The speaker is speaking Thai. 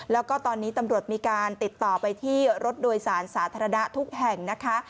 แล้วก็ตอนนี้ตำรวจมีการติดต่อไปที่รถโดยสารสาธารณะทุกแห่งนะคะ